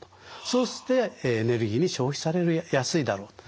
そしてエネルギーに消費されやすいだろうと。